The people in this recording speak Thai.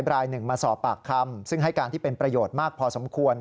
รายหนึ่งมาสอบปากคำซึ่งให้การที่เป็นประโยชน์มากพอสมควร